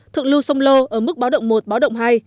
thượng lưu sông lô ở mức báo động một báo động hai